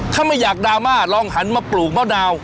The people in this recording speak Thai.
ถ้าไม่อยากดราม่าลองหันมาปลูกมะนาว